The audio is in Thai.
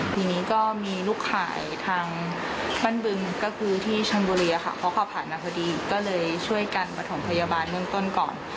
ทีนี้ก็มีลูกขายทางบ้านบึงที่ชั่นบุรียเพราะเค้าผ่านมาพอดีก็เลยช่วยกันปฐมพยาบาลเมืองต้นก่อน